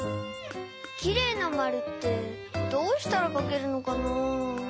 きれいなまるってどうしたらかけるのかなぁ。